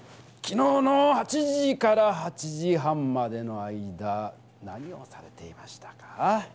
きのうの８時８時半までの間何をされていましたか？